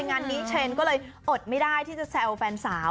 งานนี้เชนก็เลยอดไม่ได้ที่จะแซวแฟนสาว